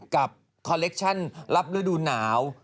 กับคอลเลคชั่นรับฤดูหนาว